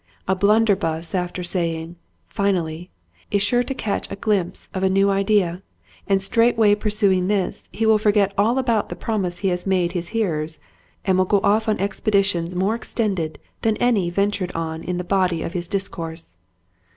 A blunderbuss after saying, " Finally," is sure to catch a glimpse of a new idea, and straightway pursuing this, he will forget all about the promise he has made his hearers, and will go off on expe ditions more extended than any ventured on in the body of his discourse.